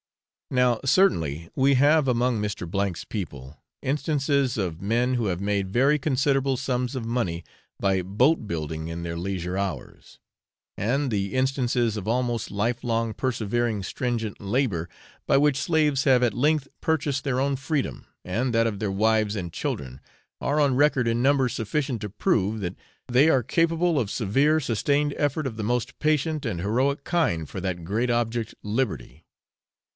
Now, certainly, we have among Mr. 's people instances of men who have made very considerable sums of money by boat building in their leisure hours, and the instances of almost life long persevering stringent labour by which slaves have at length purchased their own freedom and that of their wives and children, are on record in numbers sufficient to prove that they are capable of severe sustained effort of the most patient and heroic kind for that great object, liberty.